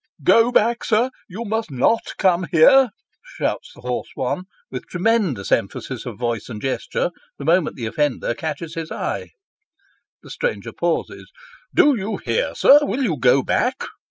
"Go back, sir you must not come here," shouts the hoarse. one, with tremendous emphasis of voice and gesture, the moment the offender catches his eye. The stranger pauses. "Do you hear, sir will you go back?"